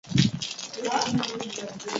Puntu moredun kartela ere jarri dute balkoian.